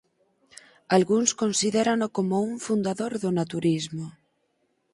Algúns considérano como o fundador do naturismo.